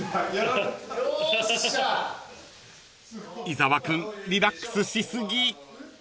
［伊沢君リラックスし過ぎ］